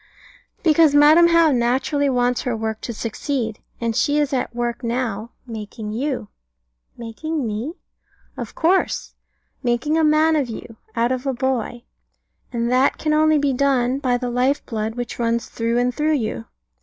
Because Madam How naturally wants her work to succeed, and she is at work now making you. Making me? Of course. Making a man of you, out of a boy. And that can only be done by the life blood which runs through and through you.